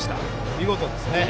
見事ですね。